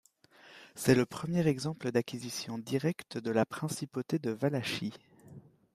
C'est le premier exemple d'acquisition directe de la principauté de Valachie.